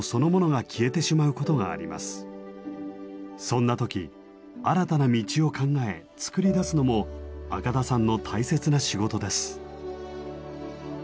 そんな時新たな道を考え作り出すのも赤田さんの大切な仕事です。